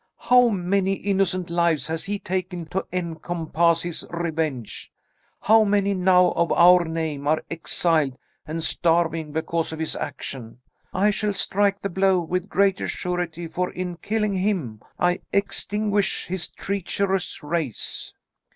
How many innocent lives has he taken to encompass his revenge? How many now of our name are exiled and starving because of his action? I shall strike the blow with greater surety, for in killing him I extinguish his treacherous race."